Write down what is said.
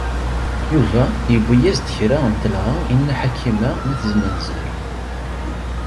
Yuba yewwi-as-d kra n telɣa i Nna Ḥakima n At Zmenzer.